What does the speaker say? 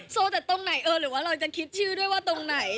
โชว์แต่ตรงไหนเออหรือว่าเราจะคิดชื่อด้วยว่าตรงไหน